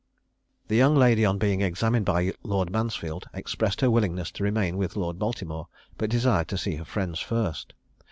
The young lady, on being examined by Lord Mansfield, expressed her willingness to remain with Lord Baltimore, but desired to see her friends first.